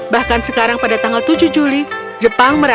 bahkan sekarang pada tanggal tujuh juli mereka berdua akan bertemu di rumah mereka